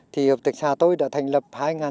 thì hợp tác xã tôi đã thành lập hai nghìn tám